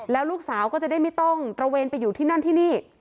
แล้วลูกสาวก็จะได้ไม่ต้องตระเวนไปอยู่ที่นั่นที่นี่